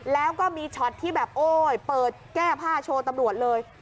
แล้วก็มีช็อตที่แบบโอ้ยเปิดแก้ผ้าโชว์ตำรวจเลย